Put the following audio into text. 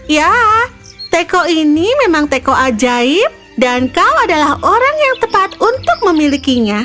ya teko ini memang teko ajaib dan kau adalah orang yang tepat untuk memilikinya